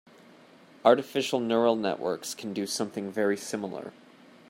Artificial neural networks can do something very similar.